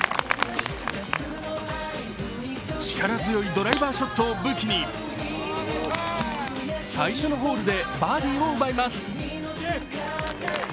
力強いドライバーショットを武器に最初のホールでバーディーを奪います。